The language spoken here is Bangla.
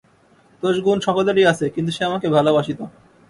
দোষগুণ সকলেরই আছে, কিন্তু সে আমাকে ভালোবাসিত।